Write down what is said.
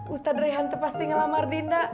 ustadz rayhanto pasti ngelamar dinda